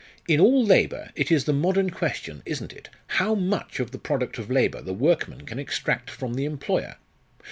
In all labour, it is the modern question, isn't it? how much of the product of labour the workman can extract from the employer?